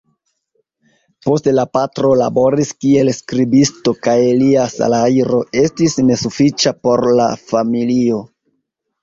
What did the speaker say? Poste la patro laboris kiel skribisto kaj lia salajro estis nesufiĉa por la familio.